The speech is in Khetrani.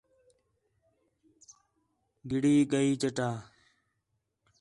گِدڑی ڳئی چٹا